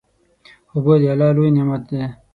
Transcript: اوبه د الله لوی نعمت دی.